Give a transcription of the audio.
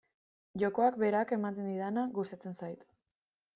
Jokoak berak ematen didana gustatzen zait.